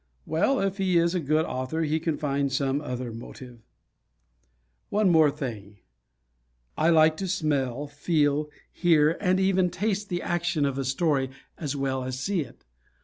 Well, if he is a good author he can find some other motive. One more thing. I like to smell, feel, hear and even taste the action of a story as well as see it.